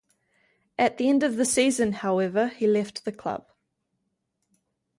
At the end of the season, however, he left the club.